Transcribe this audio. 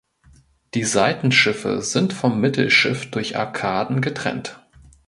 Die Seitenschiffe sind vom Mittelschiff durch Arkaden getrennt.